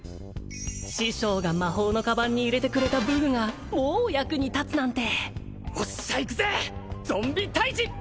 師匠が魔法の鞄に入れてくれた武具がもう役に立つなんておっしゃ行くぜゾンビ退治！